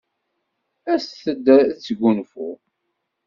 Aset-d ad nesgunfu.